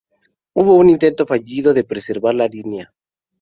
Hubo un intento fallido de preservar la línea.